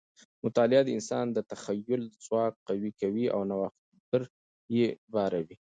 مطالعه د انسان د تخیل ځواک قوي کوي او نوښتګر یې باروي.